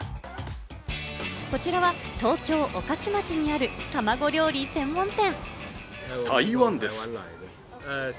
こちらは東京・御徒町にある、たまご料理専門店。